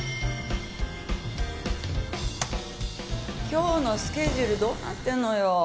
今日のスケジュールどうなってるのよ！？